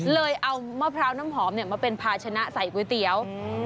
เลยเอามะพร้าวน้ำหอมมาเป็นภาชนะใส่ก๋วยเตี๋ยว